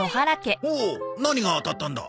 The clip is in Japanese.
おおっ何が当たったんだ？